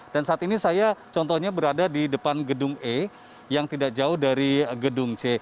dan saat ini saya contohnya berada di depan gedung e yang tidak jauh dari gedung c